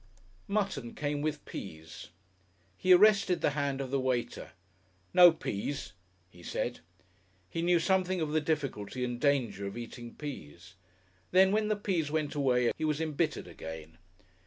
Mutton came with peas. He arrested the hand of the waiter. "No peas," he said. He knew something of the difficulty and danger of eating peas. Then, when the peas went away again he was embittered again....